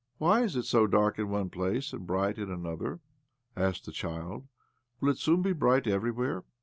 " Why is it so dark in one place and brigiht in another?" asked the child. "Will it soon be bright everywhere?